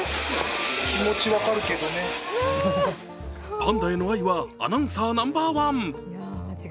パンダへの愛はアナウンサーナンバーワン！